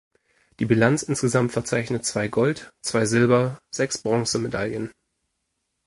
Die Bilanz insgesamt verzeichnet zwei Gold-, zwei Silber-, sechs Bronzemedaillen.